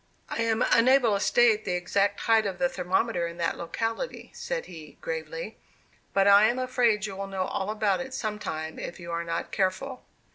"I am unable to state the exact height of the thermometer in that locality," said he, gravely; "but I am afraid you will know all about it some time, if you are not careful."